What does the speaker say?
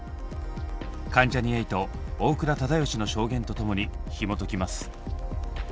関ジャニ∞大倉忠義の証言と共にひもときます。